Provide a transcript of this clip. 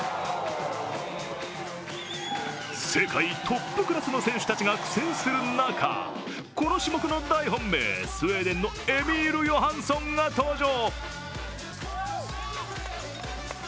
世界トップクラスの選手たちが苦戦する中この種目の大本命、スウェーデンのエミール・ヨハンソンが登場。